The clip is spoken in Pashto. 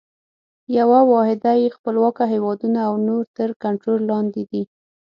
یوه واحده یې خپلواکه هیوادونه او نور تر کنټرول لاندي دي.